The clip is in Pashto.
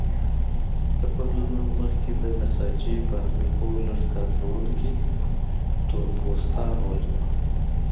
تر بدلونونو مخکې د نساجۍ فابریکو لږ کارکوونکي تور پوستان وو.